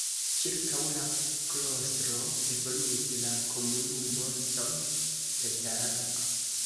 Ĉirkaŭ la klostro evoluis la komunumo St. Peter.